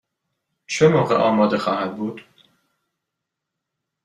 چه موقع آماده خواهد بود؟